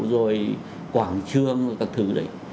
rồi quảng trường các thứ đấy